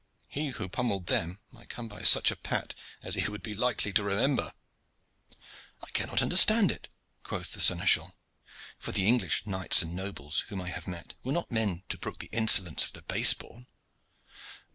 He who pummelled them might come by such a pat as he would be likely to remember." "I cannot understand it," quoth the seneschal, "for the English knights and nobles whom I have met were not men to brook the insolence of the base born."